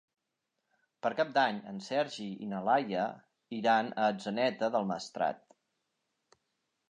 Per Cap d'Any en Sergi i na Laia iran a Atzeneta del Maestrat.